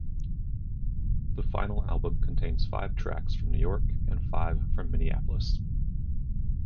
The final album contains five tracks from New York and five from Minneapolis.